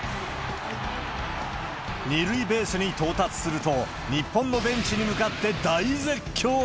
２塁ベースに到達すると、日本のベンチに向かって大絶叫。